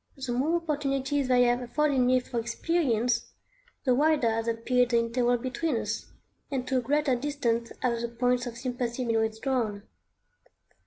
The more opportunities they have afforded me for experience, the wider has appeared the interval between us, and to a greater distance have the points of sympathy been withdrawn.